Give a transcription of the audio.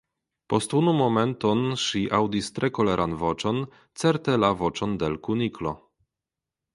Post unu momenton ŝi aŭdis tre koleran voĉon, certe la voĉon de l Kuniklo.